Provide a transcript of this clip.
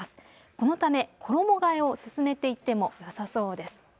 このため衣がえを進めていってもよさそうです。